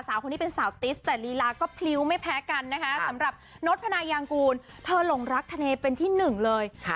สาวคนนี้เป็นสาวติสแต่ลีลาก็พลิ้วไม่แพ้กันนะคะสำหรับนศพนายางกูลเธอหลงรักทะเลเป็นที่หนึ่งเลย